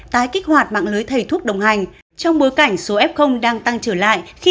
tái kích hoạt mạng lưới thầy thuốc đồng hành trong bối cảnh số f đang tăng trở lại khi